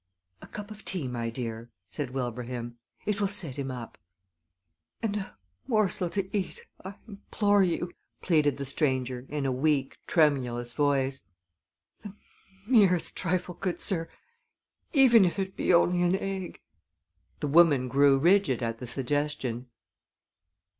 "A cup of tea, my dear," said Wilbraham. "It will set him up." "And a morsel to eat, I implore you," pleaded the stranger, in a weak, tremulous voice. "The merest trifle, good sir, even if it be only an egg!" The woman grew rigid at the suggestion.